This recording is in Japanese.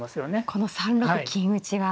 この３六金打が。